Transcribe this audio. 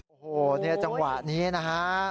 โอ้โหเนี่ยจังหวะนี้นะฮะ